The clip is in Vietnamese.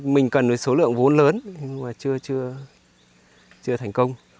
mình cần số lượng vốn lớn nhưng mà chưa thành công